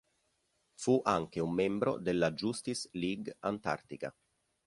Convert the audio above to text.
Fu anche un membro della Justice League Antartica.